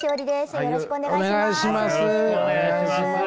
よろしくお願いします。